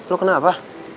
lo kena apa